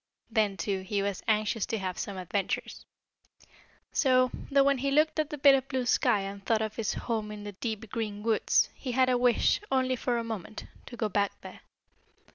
Then, too, he was anxious to have some adventures. So, though when he looked at the bit of blue sky, and thought of his home in the deep, green woods, he had a wish, only for a moment, to go back there.